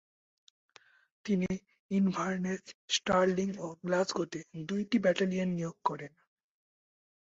তিনি Inverness, Stirling ও গ্লাসগোতে দুইটি ব্যাটালিয়ন নিয়োগ করেন।